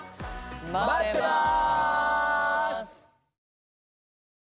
まってます！